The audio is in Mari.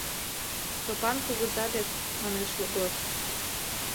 — Сопан кугыза дек, — манеш Йогор.